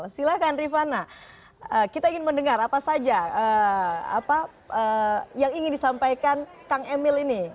silahkan rifana kita ingin mendengar apa saja yang ingin disampaikan kang emil ini